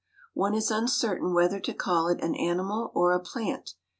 One is uncertain whether to call it an animal or a plant.